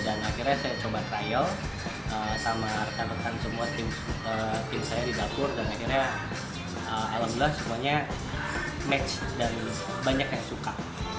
dan akhirnya saya coba trial sama rekan rekan semua tim saya di dapur dan akhirnya alhamdulillah semuanya match dan banyak yang suka